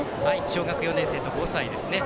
小学４年生と５歳ですね。